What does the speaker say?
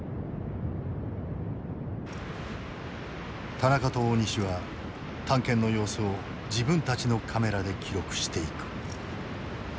田中と大西は探検の様子を自分たちのカメラで記録していく。